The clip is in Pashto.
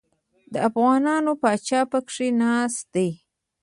د افغانانو پاچا پکښې ناست دی.